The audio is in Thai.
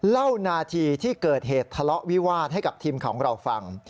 เล่านาทีที่เกิดเหตุทะเลาะวิวาสให้กับทีมของเราฟัง